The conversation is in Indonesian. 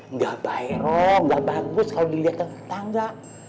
nggak baik dong nggak bagus kalo dilihat sama tetangga